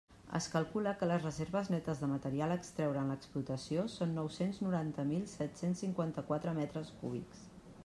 Es calcula que les reserves netes de material a extraure en l'explotació són nou-cents noranta mil set-cents cinquanta-quatre metres cúbics.